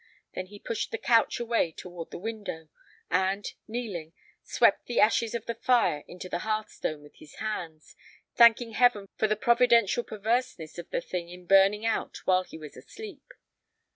Then he pushed the couch away toward the window, and, kneeling, swept the ashes of the fire on to the hearth stone with his hands, thanking Heaven for the providential perverseness of the thing in burning out while he was asleep.